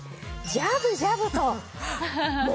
ジャブジャブと丸洗い！